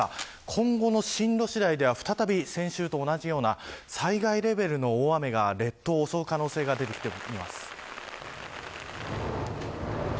今後の進路次第では再び先週と同じような最大レベルの大雨が列島を襲う可能性が出てきています。